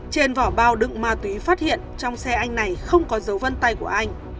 trên vỏ bao đựng ma túy phát hiện trong xe anh này không có dấu vân tay của anh